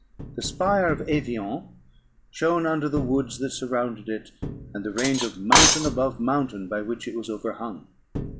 The spire of Evian shone under the woods that surrounded it, and the range of mountain above mountain by which it was overhung.